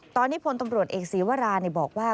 ตอนนี้พลตำรวจเอกศีวราบอกว่า